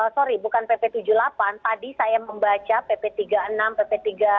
sorry bukan pp tujuh puluh delapan tadi saya membaca pp tiga puluh enam pp tiga